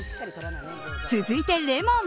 続いて、レモン。